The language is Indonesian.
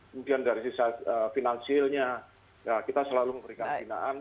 kemudian dari sisi finansialnya ya kita selalu memberikan pembinaan